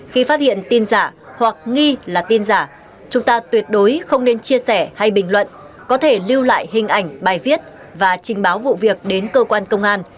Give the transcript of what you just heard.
khi phát hiện tin giả hoặc nghi là tin giả chúng ta tuyệt đối không nên chia sẻ hay bình luận có thể lưu lại hình ảnh bài viết và trình báo vụ việc đến cơ quan công an